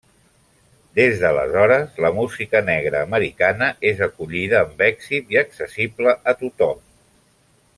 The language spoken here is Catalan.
Des d'aleshores, la música negra americana és acollida amb èxit i accessible a tothom.